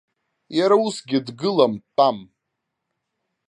Иара усгьы дгылам, дтәам.